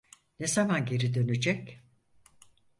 Ne zaman geri dönecek?